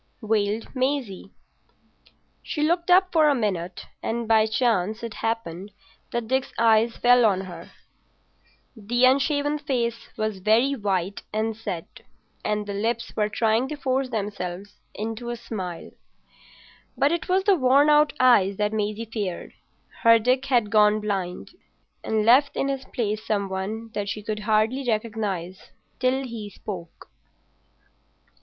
wailed Maisie. She looked up for a minute, and by chance it happened that Dick's eyes fell on hers. The unshaven face was very white and set, and the lips were trying to force themselves into a smile. But it was the worn out eyes that Maisie feared. Her Dick had gone blind and left in his place some one that she could hardly recognise till he spoke.